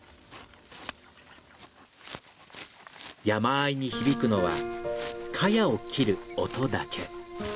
山あいに響くのはカヤを切る音だけ。